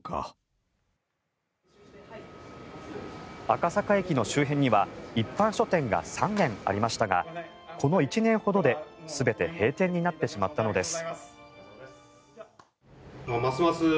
赤坂駅の周辺には一般書店が３軒ありましたがこの１年ほどで全て閉店になってしまったのです。